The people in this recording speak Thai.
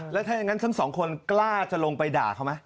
แล้วถ้าอย่างนั้นทั้งสองคนกล้าจะลงไปด่าเขาไหม